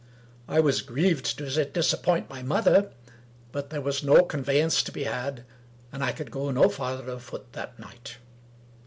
I was grieved to disappoint my mother. But there was no conveyance to be had, and I could go no farther afoot that night.